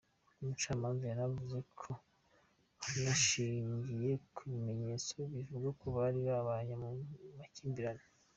Umucamanza yanavuze ko hanashingiwe ku bimenyetso bivuga ko bari babanye mu makimbirane.